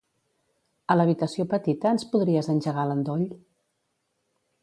A l'habitació petita ens podries engegar l'endoll?